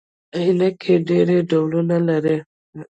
عینکي ډیر ډولونه لري